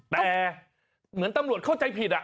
แต่เหมือนตำรวจเข้าใจผิด